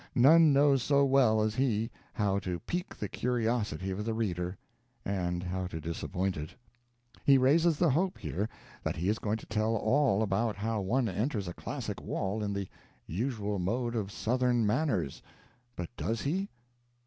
None knows so well as he how to pique the curiosity of the reader and how to disappoint it. He raises the hope, here, that he is going to tell all about how one enters a classic wall in the usual mode of Southern manners; but does he?